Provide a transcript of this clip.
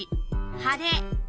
晴れ。